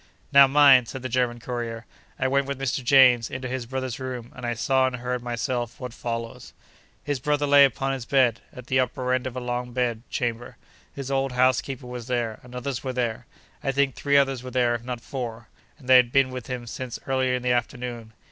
Now, mind! (said the German courier) I went with Mr. James into his brother's room, and I saw and heard myself what follows. His brother lay upon his bed, at the upper end of a long bed chamber. His old housekeeper was there, and others were there: I think three others were there, if not four, and they had been with him since early in the afternoon.